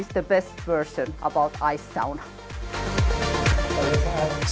itu adalah versi terbaik tentang sauna sisa